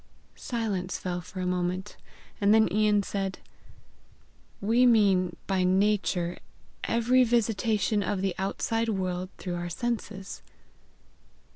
Silence fell for a moment, and then Ian said "We mean by nature every visitation of the outside world through our senses."